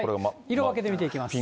色分けで見ていきます。